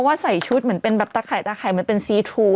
ใส่ชุดเหมือนเป็นแบบตะไข่ตาไข่เหมือนเป็นซีทู